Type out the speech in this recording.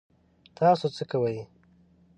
تاسو څه کوئ؟